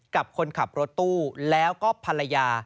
กับคนขับรถตู้แล้วก็ภรรยา